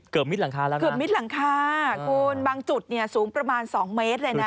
อ๋อเกือบมิดหลังคาแล้วนะคุณบางจุดเนี่ยสูงประมาณ๒เมตรเลยนะ